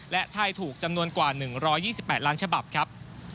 และไทยถูกจำนวนกว่า๑๒๘ล้านฉบับครับ